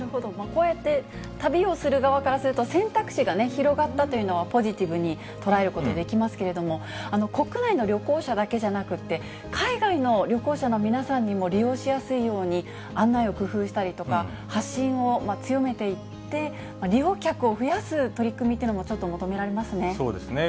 こうやって旅をする側からすると、選択肢が広がったというのは、ポジティブに捉えることできますけれども、国内の旅行者だけじゃなくて、海外の旅行者の皆さんにも利用しやすいように、案内を工夫したりとか、発信を強めていって、利用客を増やす取り組みというのもちょっと求められますね。